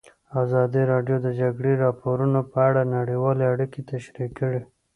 ازادي راډیو د د جګړې راپورونه په اړه نړیوالې اړیکې تشریح کړي.